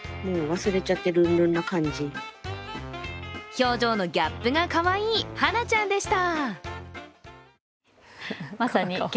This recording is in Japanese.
表情のギャップがかわいいハナちゃんでした。